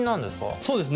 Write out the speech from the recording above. そうですね。